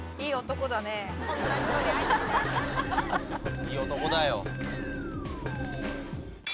いい男だよ。